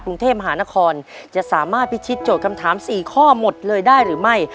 กรุงเทพมหานครจะสามารถพิชิตโจทย์คำถาม๔ข้อหมดเลยได้หรือไม่